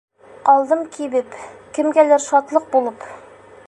Ҡалдым кибеп, Кемгәлер шатлыҡ булып!